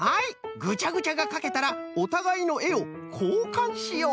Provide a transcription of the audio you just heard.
ぐちゃぐちゃがかけたらおたがいのえをこうかんしよう。